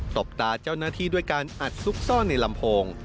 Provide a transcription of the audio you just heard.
บตาเจ้าหน้าที่ด้วยการอัดซุกซ่อนในลำโพง